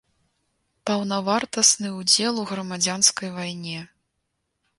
Паўнавартасны ўдзел у грамадзянскай вайне.